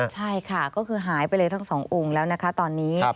ใช่ค่ะก็คือหายไปเลยทั้งสององค์แล้วนะคะตอนนี้